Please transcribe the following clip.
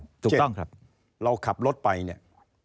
เราขับรถไปมีคนมาสวิสูจชาติปากหน้าด่าตะโกนด่าทอกัน